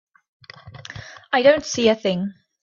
I don't see a thing.